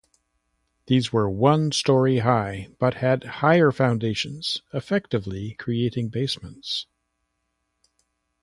These were one story high, but had higher foundations, effectively creating basements.